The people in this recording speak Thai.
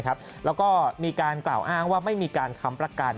แล้วก็มีการกล่าวอ้างว่าไม่มีการค้ำประกัน